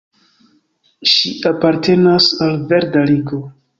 Ŝi apartenas al verda Ligo.